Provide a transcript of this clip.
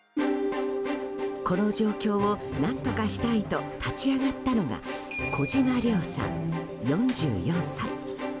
この状況を何とかしたいと立ち上がったのが小嶋亮さん、４４歳。